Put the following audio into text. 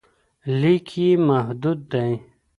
لیک یې محدود دی.